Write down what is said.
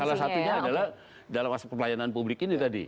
salah satunya adalah dalam aspek pelayanan publik ini tadi